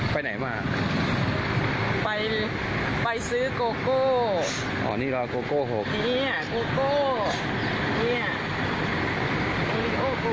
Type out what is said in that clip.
ไปไหนมาไปไปซื้อโกโก้อ๋อนี่ก็โกโกหกทีเนี้ยโกโก้เนี่ย